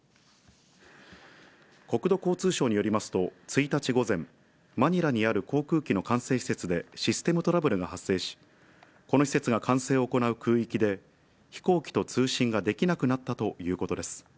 国土交通省によりますと、１日午前、マニラにある航空機の管制施設でシステムトラブルが発生し、この施設が管制を行う空域で、飛行機と通信ができなくなったということです。